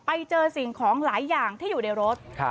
ไปเจอสิ่งของหลายอย่างที่อยู่ในรถ